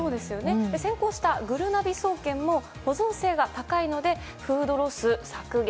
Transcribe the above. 選考したぐるなび総研も保存性が高いのでフードロス削減